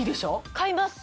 買います！